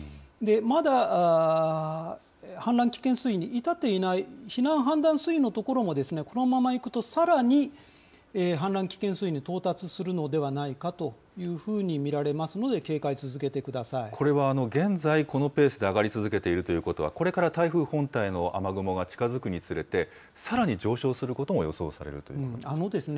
まだ氾濫危険水位に至っていない避難判断水位の所も、このままいくと、さらに氾濫危険水位に到達するのではないかというふうに見られますので、警戒続けてくださこれは現在、このペースで上がり続けているということは、これから台風本体の雨雲が近づくにつれて、さらに上昇することも予想されるということですか。